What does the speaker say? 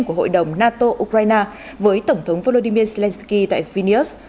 của hội đồng nato ukraine với tổng thống volodymyr zelenskyy tại phineas